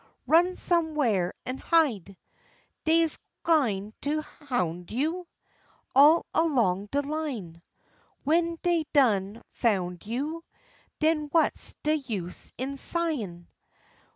Run some whar an' hide. Dey's gwine to houn' you All along de line, W'en dey done foun' you, Den what's de use in sighin'?